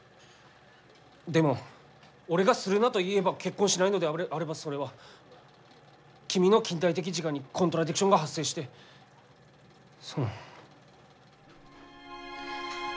でも俺が「するな」と言えば結婚しないのであればそれは君の近代的自我にコントラディクションが発生してその。